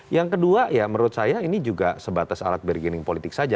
yang kedua ya menurut saya ini juga sebatas alat bergening politik saja